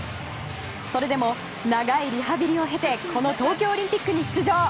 それでも、長いリハビリを経てこの東京オリンピックに出場。